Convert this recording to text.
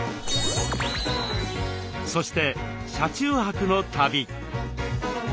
そして車中泊の旅。